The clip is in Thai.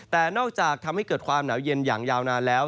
แต่นอกจากทำให้เกิดความหนาวเย็นอย่างยาวนานแล้ว